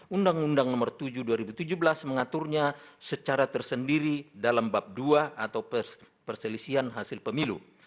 undang undang nomor tujuh dua ribu tujuh belas mengaturnya secara tersendiri dalam bab dua atau perselisihan hasil pemilu